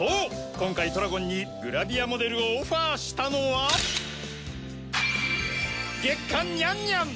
今回トラゴンにグラビアモデルをオファーしたのは『月刊ニャンニャン』。